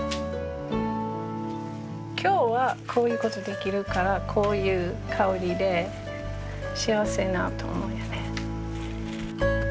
今日はこういう事できるからこういう香りで幸せになると思うよね。